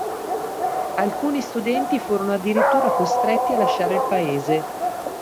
Alcuni studenti furono addirittura costretti a lasciare il paese.